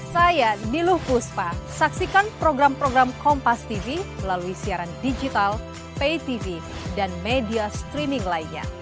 saya niluh puspa saksikan program program kompas tv melalui siaran digital pay tv dan media streaming lainnya